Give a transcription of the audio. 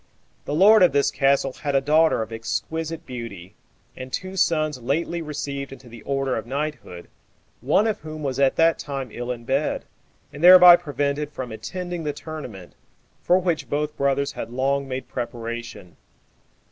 The lord of this castle had a daughter of exquisite beauty, and two sons lately received into the order of knighthood, one of whom was at that time ill in bed, and thereby prevented from attending the tournament, for which both brothers had long made preparation.